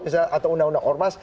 misalnya atau undang undang ormas